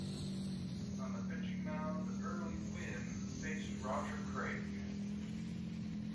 On the pitching mound, Early Wynn faced Roger Craig.